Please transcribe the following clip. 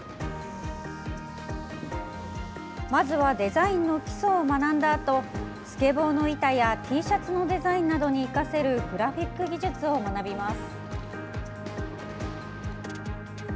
まずはデザインの基礎を学んだあとスケボーの板やＴシャツのデザインなどに生かせるグラフィック技術を学びます。